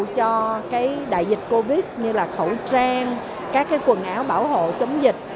cho cái đại dịch covid như là khẩu trang các cái quần áo bảo hộ chống dịch